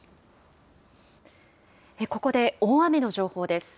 ここで大雨の情報です。